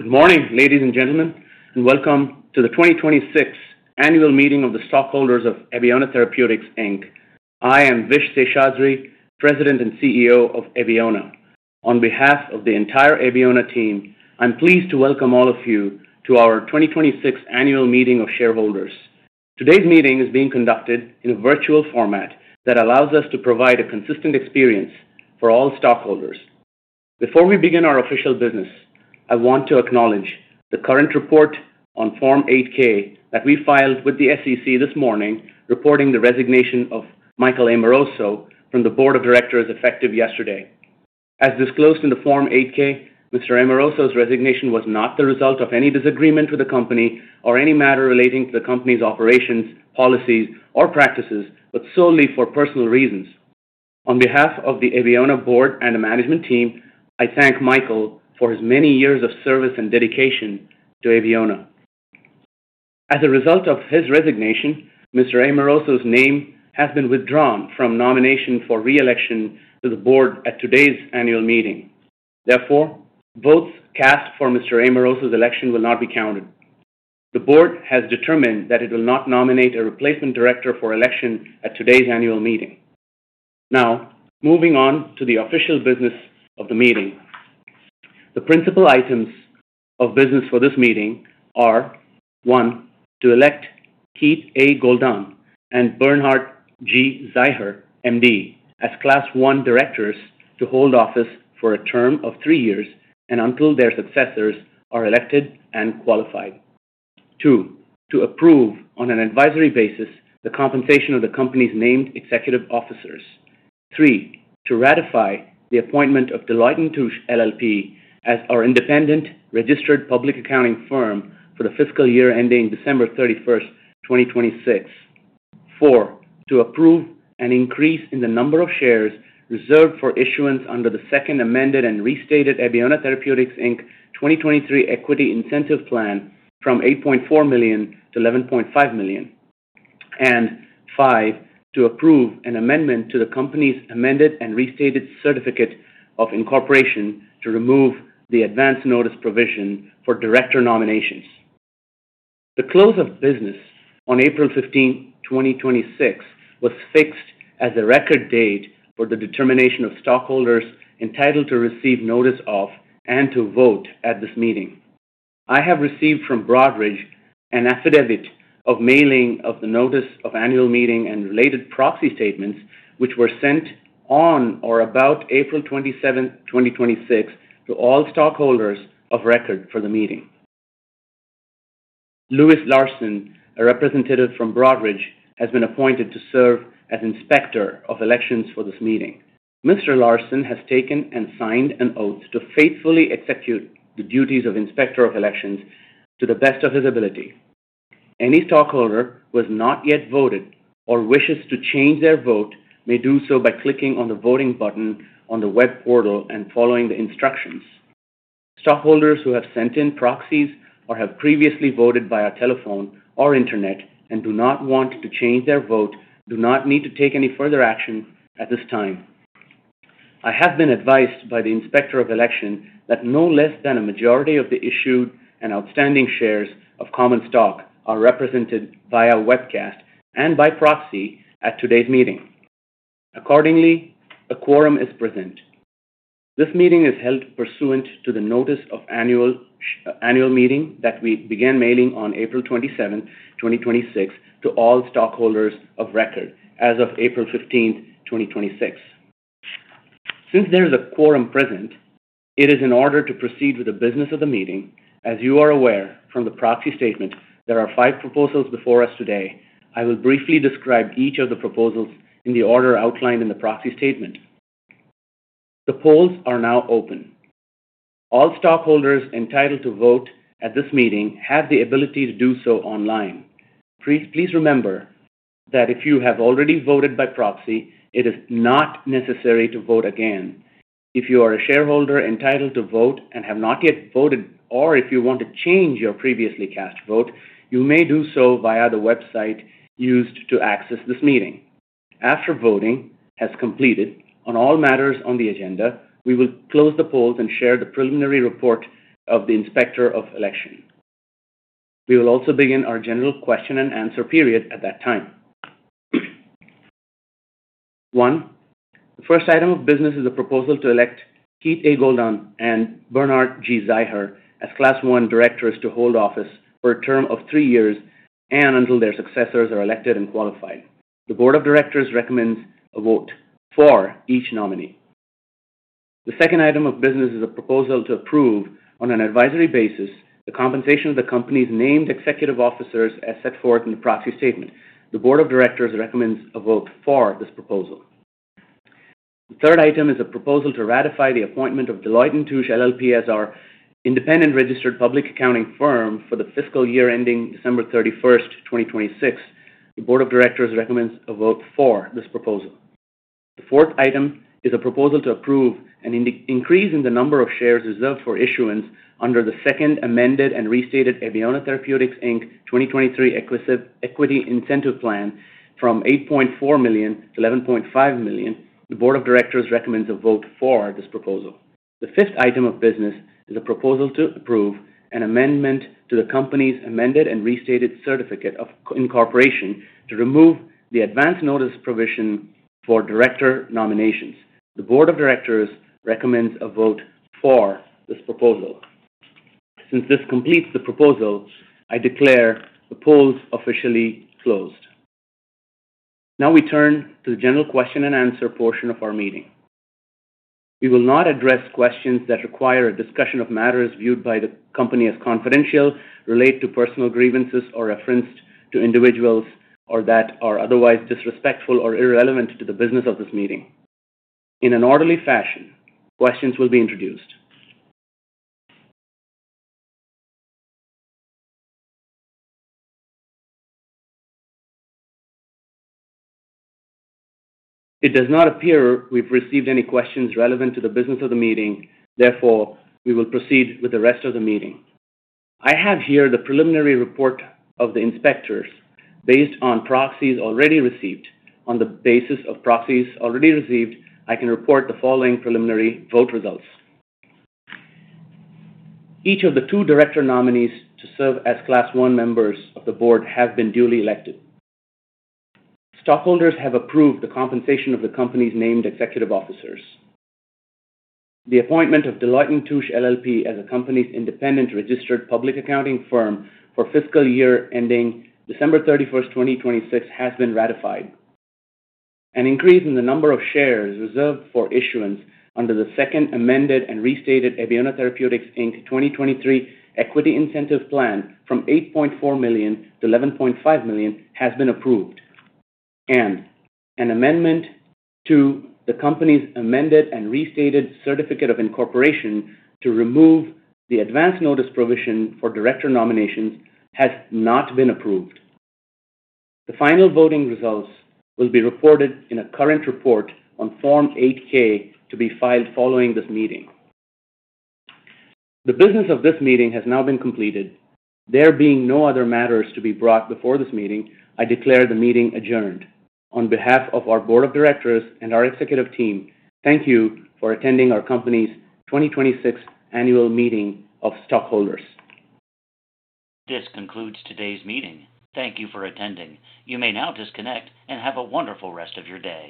Good morning, ladies and gentlemen, and welcome to the 2026 annual meeting of the stockholders of Abeona Therapeutics Inc. I am Vish Seshadri, President and CEO of Abeona. On behalf of the entire Abeona team, I'm pleased to welcome all of you to our 2026 annual meeting of shareholders. Today's meeting is being conducted in a virtual format that allows us to provide a consistent experience for all stockholders. Before we begin our official business, I want to acknowledge the current report on Form 8-K that we filed with the SEC this morning, reporting the resignation of Michael Amoroso from the board of directors effective yesterday. As disclosed in the Form 8-K, Mr. Amoroso's resignation was not the result of any disagreement with the company or any matter relating to the company's operations, policies, or practices, but solely for personal reasons. On behalf of the Abeona board and the management team, I thank Michael for his many years of service and dedication to Abeona. As a result of his resignation, Mr. Amoroso's name has been withdrawn from nomination for re-election to the board at today's annual meeting. Therefore, votes cast for Mr. Amoroso's election will not be counted. The board has determined that it will not nominate a replacement director for election at today's annual meeting. Now, moving on to the official business of the meeting. The principal items of business for this meeting are, one, to elect Keith A. Goldan and Bernhardt G. Zeiher, MD, as Class 1 Directors to hold office for a term of three years and until their successors are elected and qualified. Two, to approve, on an advisory basis, the compensation of the company's named executive officers. Three, to ratify the appointment of Deloitte & Touche LLP as our independent registered public accounting firm for the fiscal year ending December 31st, 2026. Four, to approve an increase in the number of shares reserved for issuance under the Second Amended and Restated Abeona Therapeutics Inc. 2023 Equity Incentive Plan from $8.4 million-$11.5 million. Five, to approve an amendment to the company's amended and restated certificate of incorporation to remove the advance notice provision for director nominations. The close of business on April 15, 2026, was fixed as a record date for the determination of stockholders entitled to receive notice of and to vote at this meeting. I have received from Broadridge an affidavit of mailing of the notice of annual meeting and related proxy statements, which were sent on or about April 27th, 2026, to all stockholders of record for the meeting. Lewis Larson, a representative from Broadridge, has been appointed to serve as Inspector of Elections for this meeting. Mr. Larson has taken and signed an oath to faithfully execute the duties of Inspector of Elections to the best of his ability. Any stockholder who has not yet voted or wishes to change their vote may do so by clicking on the voting button on the web portal and following the instructions. Stockholders who have sent in proxies or have previously voted via telephone or internet and do not want to change their vote do not need to take any further action at this time. I have been advised by the Inspector of Election that no less than a majority of the issued and outstanding shares of common stock are represented via webcast and by proxy at today's meeting. Accordingly, a quorum is present. This meeting is held pursuant to the notice of annual meeting that we began mailing on April 27th, 2026, to all stockholders of record as of April 15th, 2026. Since there is a quorum present, it is in order to proceed with the business of the meeting. As you are aware from the proxy statement, there are five proposals before us today. I will briefly describe each of the proposals in the order outlined in the proxy statement. The polls are now open. All stockholders entitled to vote at this meeting have the ability to do so online. Please remember that if you have already voted by proxy, it is not necessary to vote again. If you are a shareholder entitled to vote and have not yet voted, or if you want to change your previously cast vote, you may do so via the website used to access this meeting. After voting has completed on all matters on the agenda, we will close the polls and share the preliminary report of the Inspector of Election. We will also begin our general question and answer period at that time. The first item of business is a proposal to elect Keith A. Goldan and Bernhardt G. Zeiher as Class I Directors to hold office for a term of three years and until their successors are elected and qualified. The board of directors recommends a vote for each nominee. The second item of business is a proposal to approve, on an advisory basis, the compensation of the company's named executive officers as set forth in the proxy statement. The board of directors recommends a vote for this proposal. The third item is a proposal to ratify the appointment of Deloitte & Touche LLP as our independent registered public accounting firm for the fiscal year ending December 31st, 2026. The board of directors recommends a vote for this proposal. The fourth item is a proposal to approve an increase in the number of shares reserved for issuance under the Second Amended and Restated Abeona Therapeutics Inc. 2023 Equity Incentive Plan from $8.4 million-$11.5 million. The board of directors recommends a vote for this proposal. The fifth item of business is a proposal to approve an amendment to the company's amended and restated certificate of incorporation to remove the advance notice provision for director nominations. The board of directors recommends a vote for this proposal. Since this completes the proposal, I declare the polls officially closed. Now we turn to the general question and answer portion of our meeting. We will not address questions that require a discussion of matters viewed by the company as confidential, relate to personal grievances, or referenced to individuals, or that are otherwise disrespectful or irrelevant to the business of this meeting. In an orderly fashion, questions will be introduced. It does not appear we've received any questions relevant to the business of the meeting. Therefore, we will proceed with the rest of the meeting. I have here the preliminary report of the inspectors based on proxies already received. On the basis of proxies already received, I can report the following preliminary vote results. Each of the two director nominees to serve as Class I members of the board have been duly elected. Stockholders have approved the compensation of the company's named executive officers. The appointment of Deloitte & Touche LLP as the company's independent registered public accounting firm for fiscal year ending December 31st, 2026, has been ratified. An increase in the number of shares reserved for issuance under the Second Amended and Restated Abeona Therapeutics, Inc., 2023 Equity Incentive Plan from $8.4 million-$11.5 million has been approved. An amendment to the company's amended and restated certificate of incorporation to remove the advance notice provision for director nominations has not been approved. The final voting results will be reported in a current report on Form 8-K to be filed following this meeting. The business of this meeting has now been completed. There being no other matters to be brought before this meeting, I declare the meeting adjourned. On behalf of our board of directors and our executive team, thank you for attending our company's 2026 annual meeting of stockholders. This concludes today's meeting. Thank you for attending. You may now disconnect and have a wonderful rest of your day